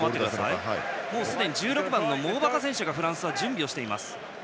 すでに１６番のモーバカ選手がフランスは準備しています。